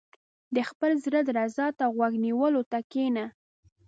• د خپل زړۀ درزا ته غوږ نیولو ته کښېنه.